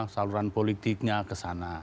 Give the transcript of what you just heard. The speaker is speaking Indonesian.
saluran politiknya ke sana